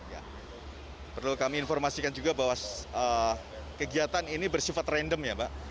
ya perlu kami informasikan juga bahwa kegiatan ini bersifat random ya pak